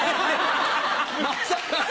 まさかの！